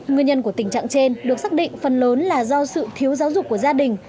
nguyên nhân của tình trạng trên được xác định phần lớn là do sự thiếu giáo dục của gia đình